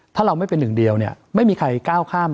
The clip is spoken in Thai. ถ้าเราไม่เป็นหนึ่งเดียวเนี่ยไม่มีใครก้าวข้าม